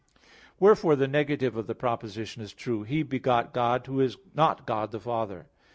Wherefore the negative of the proposition is true, "He begot God Who is not God the Father."